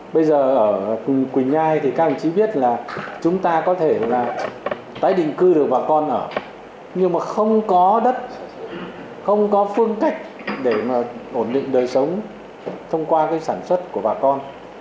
bây giờ ở quỳnh nhai thì các ông chí biết là chúng ta có thể là tái định cư được bà con ở nhưng mà không có đất không có phương cách để mà ổn định đời sống thông qua cái sản xuất của bà con